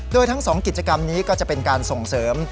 โดยทั้ง๒กิจกรรมนี้ก็จะเป็นการส่งเสริม